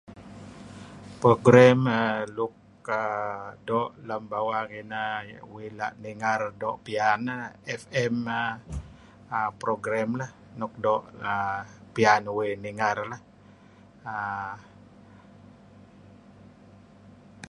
Program err luk err doo' lem bawang ineh uih la' ninger doo' piyan neh fm err program lah nuk doo' err piyan uih ninger.